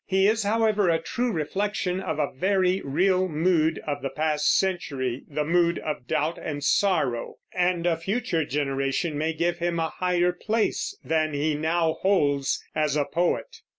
He is, however, a true reflection of a very real mood of the past century, the mood of doubt and sorrow; and a future generation may give him a higher place than he now holds as a poet.